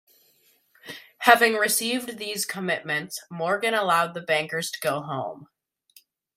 Having received these commitments, Morgan allowed the bankers to go home.